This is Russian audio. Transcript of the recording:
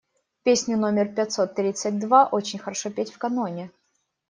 Песню номер пятьсот тридцать два очень хорошо петь в каноне.